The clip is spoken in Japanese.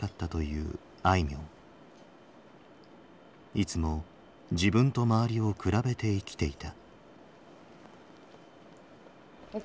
いつも自分と周りを比べて生きていた。